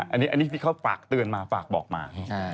อันนี้ที่เขาฝากเตือนมาฝากบอกมา